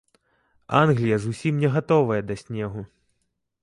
Англія зусім не гатовая да снегу.